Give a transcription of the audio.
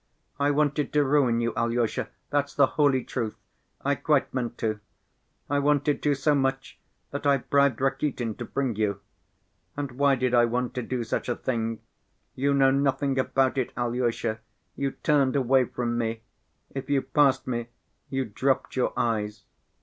I wanted to ruin you, Alyosha, that's the holy truth; I quite meant to. I wanted to so much, that I bribed Rakitin to bring you. And why did I want to do such a thing? You knew nothing about it, Alyosha, you turned away from me; if you passed me, you dropped your eyes.